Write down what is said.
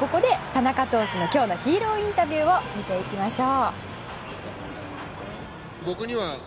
ここで田中投手の今日のヒーローインタビューを見ていきましょう。